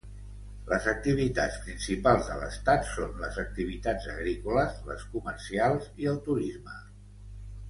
Les activitats principals de l'estat són les activitats agrícoles, les comercials i el turisme.